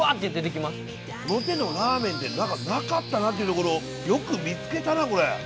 この手のラーメンってなかったなっていうところをよく見つけたなこれ。